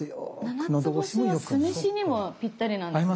ななつぼしは酢飯にもぴったりなんですね。